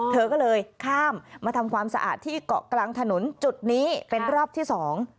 เธอก็เลยข้ามมาทำความสะอาดที่เกาะกลางถนนจุดนี้เป็นรอบที่สอง